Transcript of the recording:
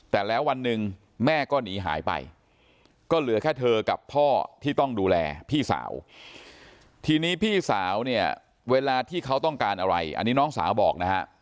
แต่แล้ววันหนึ่งแม่ก็หนีหายไปก็เหลือแค่เธอกับพ่อที่ต้องดูแลพี่สาวทีนี้พี่สาวเนี่ยเวลาที่เขาต้องการอะไรอันนี้น้องสาวบอกนะฮะ